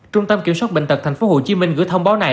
trung tâm kiểm soát bệnh tật tp hcm gửi thông báo này